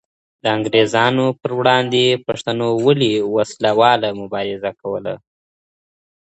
د انګرېزانو پر وړاندي پښتنو ولې وسله واله مبارزه کوله؟